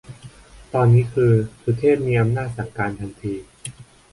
ตอนนี้คือ สุเทพ มีอำนาจสั่งการทันที